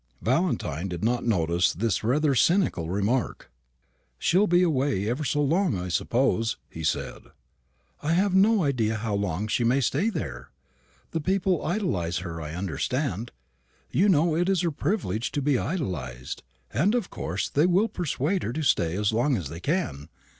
Valentine did not notice this rather cynical remark. "She'll be away ever so long, I suppose?" he said. "I have no idea how long she may stay there. The people idolise her, I understand. You know it is her privilege to be idolised; and of course they will persuade her to stay as long as they can.